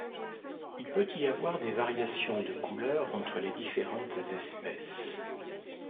Il peut y avoir des variations de couleur entre les différentes espèces.